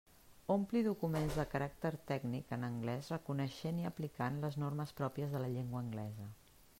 Ompli documents de caràcter tècnic en anglés reconeixent i aplicant les normes pròpies de la llengua anglesa.